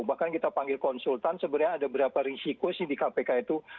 bahkan kita panggil konsultan sebenarnya ada berapa risiko sih di kpk itu